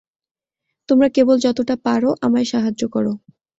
তোমরা কেবল যতটা পার, আমায় সাহায্য কর।